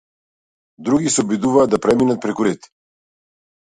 Други се обидуваа да преминат преку ред.